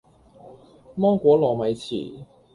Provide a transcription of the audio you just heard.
芒果糯米糍